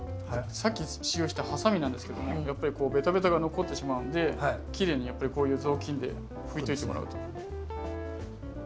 さっき使用したハサミなんですけどもやっぱりベタベタが残ってしまうんできれいにこういう雑巾で拭いといてもらうと。